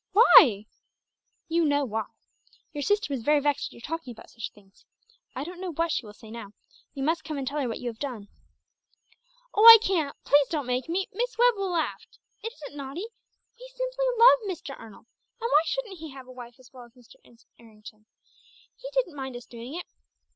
"Why?" "You know why. Your sister was very vexed at your talking about such things. I don't know what she will say now. You must come and tell her what you have done." "Oh, I can't; please don't make me Miss Webb will laugh. It isn't naughty. We simply love Mr. Arnold. And why shouldn't he have a wife as well as Mr. Errington? He didn't mind us doing it."